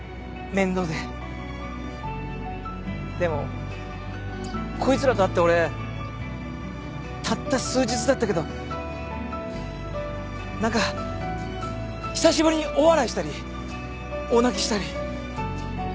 でもこいつらと会って俺たった数日だったけど何か久しぶりに大笑いしたり大泣きしたり。